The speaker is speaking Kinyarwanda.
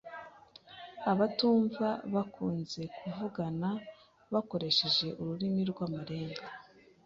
Abatumva bakunze kuvugana bakoresheje ururimi rw'amarenga.